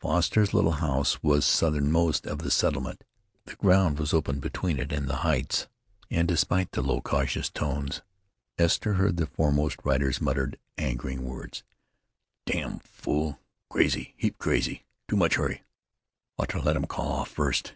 Foster's little house was southernmost of the settlement. The ground was open between it and the heights, and despite the low, cautious tones, Esther heard the foremost rider's muttered, angering words. "Dam fool! Crazy! Heap crazy! Too much hurry. Ought t' let him call off first!"